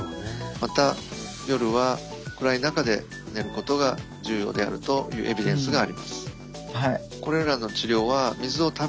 また夜は暗い中で寝ることが重要であるというエビデンスがあります。